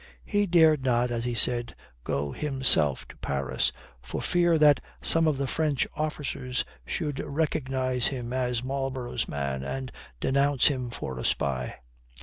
He dared not, as he said, go himself to Paris, for fear that some of the French officers should recognize him as Marlborough's man and denounce him for a spy.